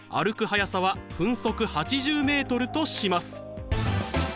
速さは分速８０ｍとします。